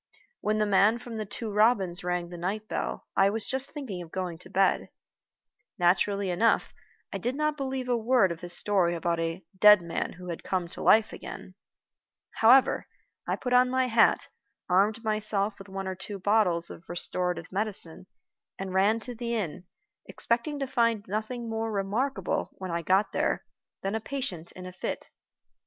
When the man from The Two Robins rang the night bell, I was just thinking of going to bed. Naturally enough, I did not believe a word of his story about "a dead man who had come to life again." However, I put on my hat, armed myself with one or two bottles of restorative medicine, and ran to the inn, expecting to find nothing more remarkable, when I got there, than a patient in a fit.